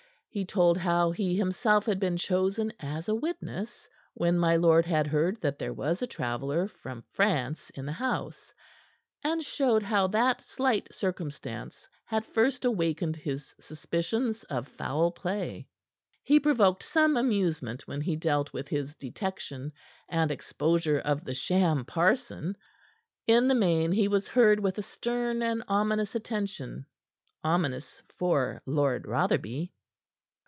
He told how he himself had been chosen as a witness when my lord had heard that there was a traveller from France in the house, and showed how that slight circumstance had first awakened his suspicions of foul play. He provoked some amusement when he dealt with his detection and exposure of the sham parson. But in the main he was heard with a stern and ominous attention ominous for Lord Rotherby.